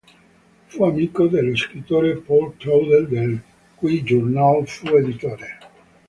Fu amico dello scrittore Paul Claudel, del cui "Journal" fu editore.